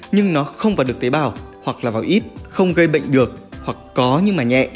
nhưng nó không vào được tế bào hoặc vào ít không gây bệnh được hoặc có nhưng nhẹ